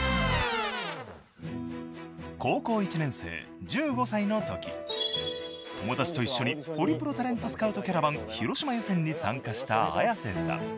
［高校１年生１５歳のとき友達と一緒にホリプロタレントスカウトキャラバン広島予選に参加した綾瀬さん］